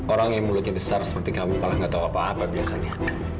orang yang mulutnya besar seperti kamu malah nggak tahu apa apa biasanya